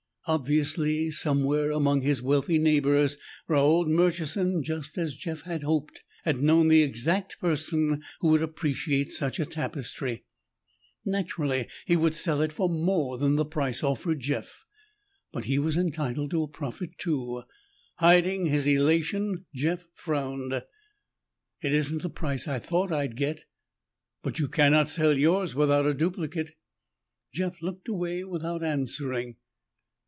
Obviously, somewhere among his wealthy neighbors, Raold Murchison, just as Jeff had hoped, had known the exact person who would appreciate such a tapestry. Naturally, he would sell it for more than the price offered Jeff, but he was entitled to a profit, too. Hiding his elation, Jeff frowned. "It isn't the price I thought I'd get." "But you cannot sell yours without a duplicate?" Jeff looked away without answering.